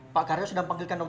pak karyo sudah panggilkan